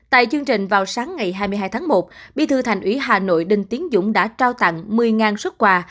tại chương trình vào sáng ngày hai mươi hai tháng một bí thư thành ủy hà nội đinh tiến dũng đã trao tặng một mươi xuất quà